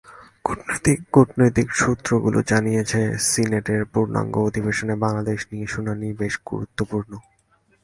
কূটনৈতিক সূত্রগুলো জানিয়েছে, সিনেটের পূর্ণাঙ্গ অধিবেশনে বাংলাদেশ নিয়ে শুনানি বেশ গুরুত্বপূর্ণ।